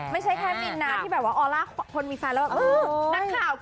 ไม่ใช่แค่มีนที่ออร่าคนมีแฟนแล้ว